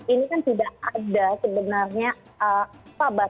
ini kan tidak ada sebenarnya apa